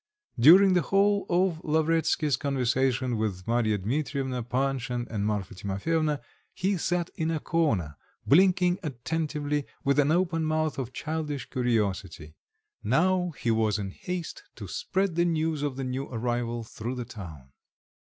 During the whole of Lavretsky's conversation with Marya Dmitrievna, Panshin, and Marfa Timofyevna, he sat in a corner, blinking attentively, with an open mouth of childish curiosity; now he was in haste to spread the news of the new arrival through the town.